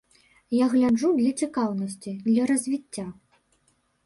Я гляджу для цікаўнасці, для развіцця.